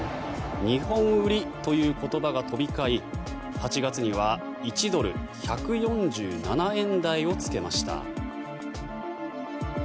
日本売りという言葉が飛び交い８月には１ドル＝１４７円台をつけました。